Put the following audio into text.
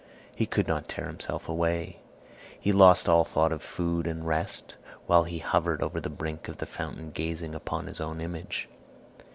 He could not tear himself away; he lost all thought of food or rest, while he hovered over the brink of the fountain gazing upon his own image.